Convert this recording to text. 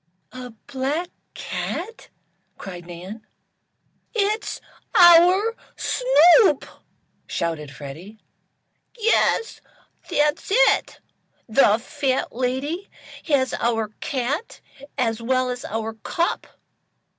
"A black cat!" cried Nan. "It's our Snoop!" shouted Freddie, "yes, that's it! The fat lady has our cat as well as our cup.